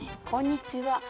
こんにちは。